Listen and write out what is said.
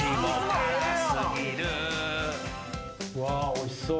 おいしそう。